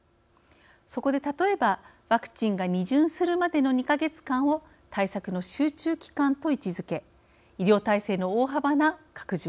そこで例えばワクチンが２巡するまでの２か月間を対策の集中期間と位置づけ医療体制の大幅な拡充